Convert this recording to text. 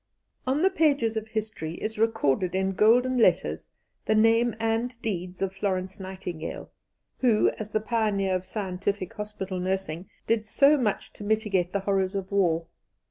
On the pages of history is recorded in golden letters the name and deeds of Florence Nightingale, who, as the pioneer of scientific hospital nursing, did so much to mitigate the horrors of war.